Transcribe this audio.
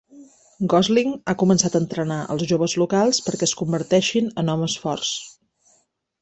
Gosling ha començat a entrenar els joves locals perquè es converteixin en homes forts.